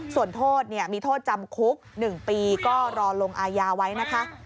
ส่วนโทษมีโทษจำคุก๑ปีก็รอลงอายาไว้นะคะ